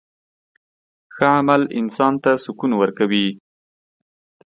ښه عمل انسان ته سکون ورکوي.